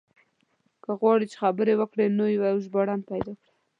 که غواړې چې خبرې وکړو نو يو ژباړن پيدا کړه.